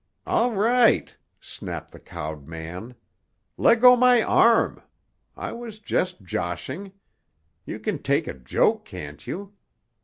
"All right," snapped the cowed man. "Leggo my arm. I was just joshing. You can take a joke, can't you?